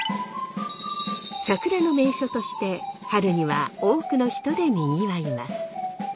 桜の名所として春には多くの人でにぎわいます。